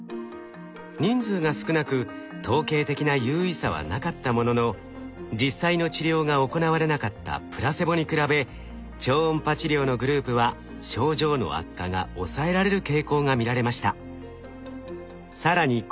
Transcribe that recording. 人数が少なく統計的な有意差はなかったものの実際の治療が行われなかったプラセボに比べ超音波治療のグループは症状の悪化が抑えられる傾向が見られました。